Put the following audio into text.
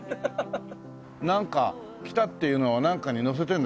なんか来たっていうのをなんかに載せてるの？